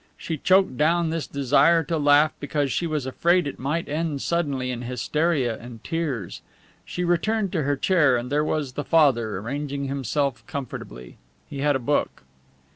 She choked down this desire to laugh, because she was afraid it might end suddenly in hysteria and tears. She returned to her chair, and there was the father arranging himself comfortably. He had a book.